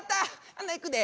ほないくで。